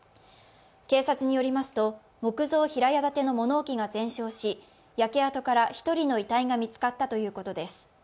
警察によりますと木造平屋建ての物置が全焼し、焼け跡から１人の遺体が見つかったとのことです。